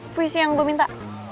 puisi yang gue minta